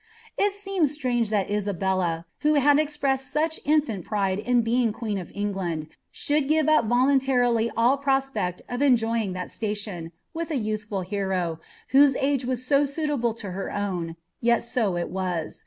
"' It aeenis strange that Jsabella, who had exprefwed such infant pri<!e in beiii^; queen of England, should give up voluntarily all prospect ofenjojr log that ■tation, with a youthful hero, whose age was so suitable to her own ; yet so it was.